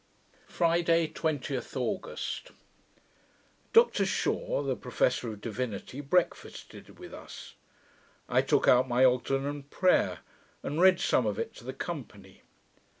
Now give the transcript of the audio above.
Friday, 2Oth August Dr Shaw, the professor of divinity, breakfasted with us. I took out my Ogden On Prayer, and read some of it to the company.